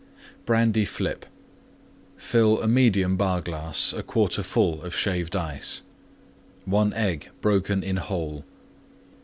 BRANDY FLIP Fill medium. Bar glass 1/4 full Shaved Ice. 1 Egg broken in whole.